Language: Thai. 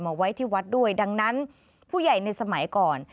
ไว้ที่วัดด้วยดังนั้นผู้ใหญ่ในสมัยก่อน